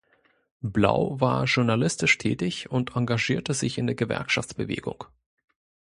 Blau war journalistisch tätig und engagierte sich in der Gewerkschaftsbewegung.